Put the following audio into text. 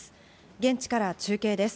現地から中継です。